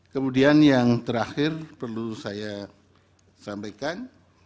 kemudian yang terakhir perlu saya sampaikan